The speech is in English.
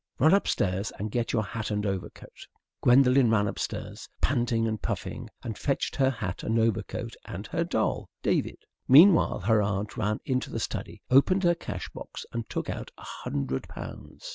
"Run upstairs and get your hat and overcoat." Gwendolen ran upstairs, panting and puffing, and fetched her hat and overcoat and her doll David. Meanwhile her aunt ran into the study, opened her cash box, and took out a hundred pounds.